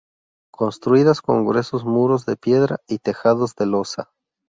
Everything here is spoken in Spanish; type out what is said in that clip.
Construidas con gruesos muros de piedra y tejados de losa.